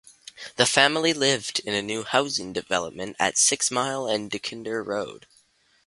The family lived in a new housing development at Six Mile and Dequindre Road.